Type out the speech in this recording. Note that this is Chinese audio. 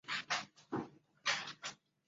京房人。